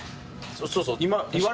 そうそう。